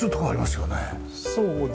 そうですね。